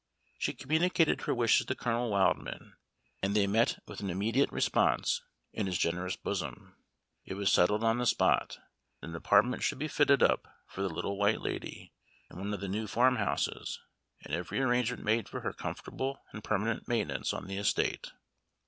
She communicated her wishes to Colonel Wildman, and they met with an immediate response in his generous bosom. It was settled on the spot, that an apartment should be fitted up for the Little White Lady in one of the new farmhouses, and every arrangement made for her comfortable and permanent maintenance on the estate.